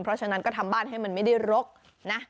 เพราะฉะนั้นก็ทำบ้านให้มันไม่ได้รกนะ